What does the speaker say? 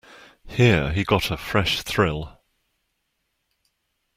Here he got a fresh thrill.